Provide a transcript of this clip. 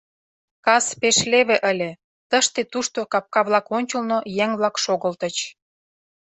Кас пеш леве ыле, тыште-тушто капка-влак ончылно еҥ-влак шогылтыч.